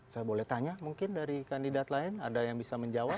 saya boleh tanya mungkin dari kandidat lain ada yang bisa menjawab